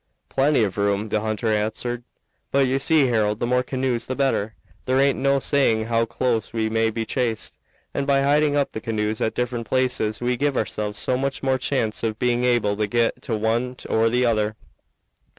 "Plenty of room," the hunter answered. "But you see, Harold, the more canoes the better. There aint no saying how close we may be chased, and by hiding up the canoes at different places we give ourselves so much more chance of being able to get to one or the other.